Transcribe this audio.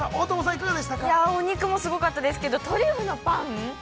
◆いやー、お肉もすごかったですけどトリュフのパン！？